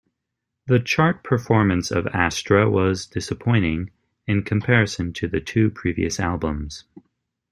The chart performance of "Astra" was disappointing, in comparison to the two previous albums.